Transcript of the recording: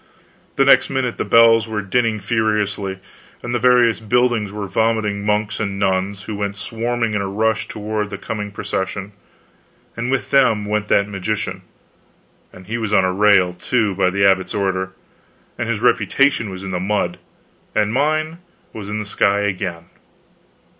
The next minute the bells were dinning furiously, and the various buildings were vomiting monks and nuns, who went swarming in a rush toward the coming procession; and with them went that magician and he was on a rail, too, by the abbot's order; and his reputation was in the mud, and mine was in the sky again.